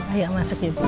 ayo masuk ya bu